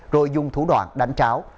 rồi dùng thủ đoạn đánh tráo